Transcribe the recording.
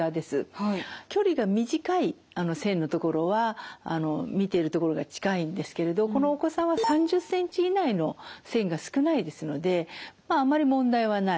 距離が短い線のところは見ているところが近いんですけれどこのお子さんは３０センチ以内の線が少ないですのでまああまり問題はない。